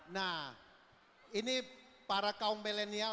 nah ini para kaum milenial